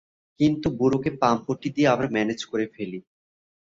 কিন্তু বুড়োকে পাম-পট্টি দিয়ে আমরা ম্যানেজ করে ফেলি।